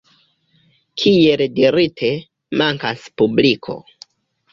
Kiel dirite, mankas publiko.